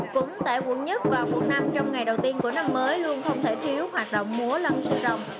cũng tại quận một và quận năm trong ngày đầu tiên của năm mới luôn không thể thiếu hoạt động múa lân sư rồng